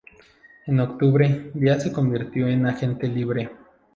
En octubre, Díaz se convirtió en agente libre.